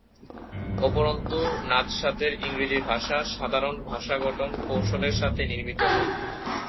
উপরন্তু, নাদসাতের ইংরেজি ভাষা সাধারণ ভাষা-গঠন কৌশলের সাথে নির্মিত হয়।